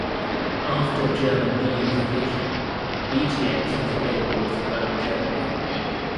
After German reunification, Btx was available throughout Germany.